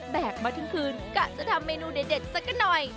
มาทั้งคืนกะจะทำเมนูเด็ดสักหน่อย